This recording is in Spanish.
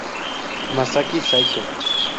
Masaki Saito